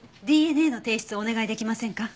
ＤＮＡの提出をお願いできませんか？